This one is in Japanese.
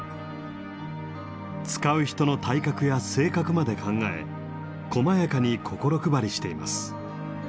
使う人の体格や性格まで考えこまやかに心配りしています。